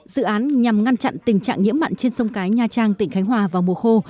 dự án nhằm ngăn chặn tình trạng nhiễm mặn trên sông cái nha trang tỉnh khánh hòa vào mùa khô